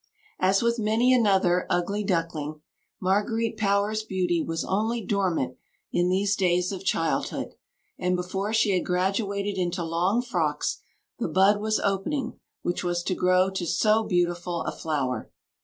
As with many another "ugly ducking" Marguerite Power's beauty was only dormant in these days of childhood; and before she had graduated into long frocks, the bud was opening which was to grow to so beautiful a flower.